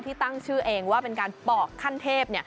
ตั้งชื่อเองว่าเป็นการปอกขั้นเทพ